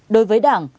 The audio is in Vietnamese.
đối với đảng